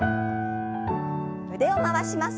腕を回します。